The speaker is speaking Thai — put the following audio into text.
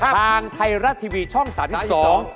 ทางไทยรัฐทีวีช่องสามสิบสอง